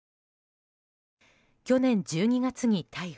去年１２月に逮捕。